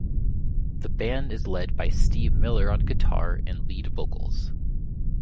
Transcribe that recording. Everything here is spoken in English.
The band is led by Steve Miller on guitar and lead vocals.